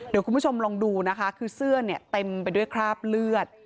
เดี๋ยวคุณผู้ชมลองดูนะคะคือเสื้อเนี่ยเต็มไปด้วยคราบเลือด